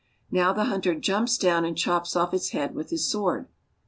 Now the hunter jumps down and chops off its head with his sword.